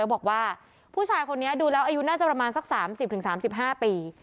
เขาบอกว่าผู้ชายคนนี้ดูแล้วอายุน่าจะประมาณสักสามสิบถึงสามสิบห้าปี